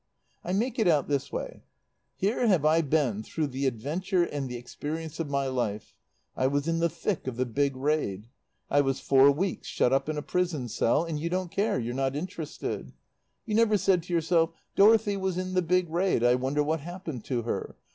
"I make it out this way. Here have I been through the adventure and the experience of my life. I was in the thick of the big raid; I was four weeks shut up in a prison cell; and you don't care; you're not interested. You never said to yourself, 'Dorothy was in the big raid, I wonder what happened to her?'